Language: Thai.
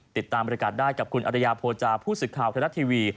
ติดตามบริการได้กับคุณอริยาโภจาผู้สื่อข่าวไทยรัฐทีวี